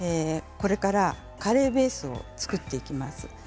これからカレーベースを作っていきます。